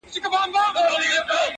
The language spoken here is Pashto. همېشه به بېرېدى له جنرالانو.!